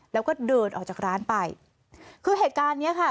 แล้วก็เดินออกจากร้านไปคือเหตุการณ์เนี้ยค่ะ